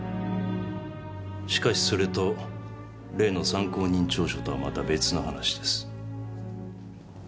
しかしそれと例の参考人調書とはまた別の話です。